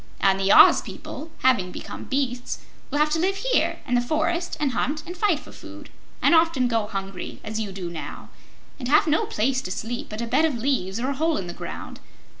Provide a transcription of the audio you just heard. And the Oz people, having become beasts, will have to live here in the forest and hunt and fight for food, and often go hungry, as you now do, and have no place to sleep but a bed of leaves or a hole in the ground.